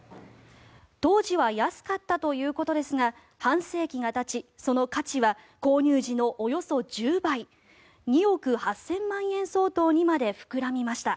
当時は安かったということですが半世紀がたちその価値は購入時のおよそ１０倍２億８０００万円相当にまで膨らみました。